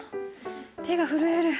手が震える。